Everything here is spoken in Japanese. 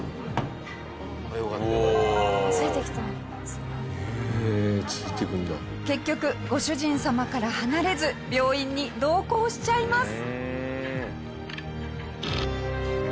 下平：結局、ご主人様から離れず病院に同行しちゃいます。